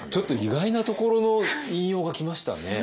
意外なところの引用が来ましたね。